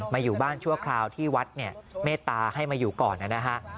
มาอยู่บ้านชั่วคราวที่วัดเมตตาให้มาอยู่ก่อนนะ